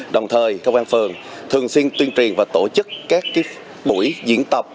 đồng thời công an phường thường xuyên tuyên truyền và tổ chức các buổi diễn tập